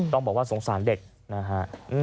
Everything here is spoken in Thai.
ต้องบอกว่าสงสารเด็กนะฮะ